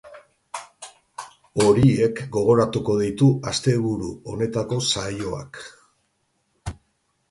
Horiek gogoratuko ditu asteburu honetako saioak.